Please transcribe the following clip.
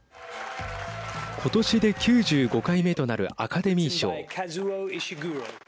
今年で９５回目となるアカデミー賞。